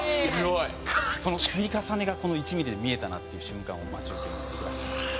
その積み重ねがこの１ミリで見えたなっていう瞬間を待ち受けにしてらっしゃって。